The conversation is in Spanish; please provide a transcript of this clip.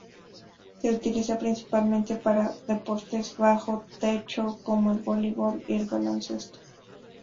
Se utiliza principalmente para deportes bajo techo como el voleibol y el baloncesto.